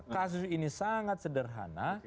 kasus ini sangat sederhana